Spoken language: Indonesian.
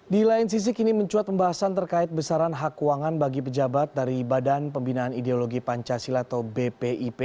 di lain sisi kini mencuat pembahasan terkait besaran hak uangan bagi pejabat dari badan pembinaan ideologi pancasila atau bpip